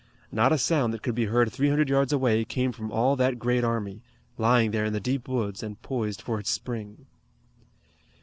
Not a sound that could be heard three hundred yards away came from all that great army, lying there in the deep woods and poised for its spring.